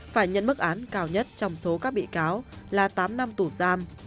phải nhận mức án cao nhất trong số các bị cáo là tám năm tù giam